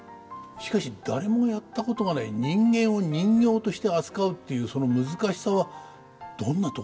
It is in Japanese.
しかし誰もやったことがない人間を人形として扱うっていうその難しさはどんなところでしょうか？